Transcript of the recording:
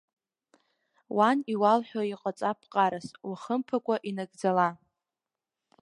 Уан иуалҳәо иҟаҵа ԥҟарас, уахымԥакәа инагӡала.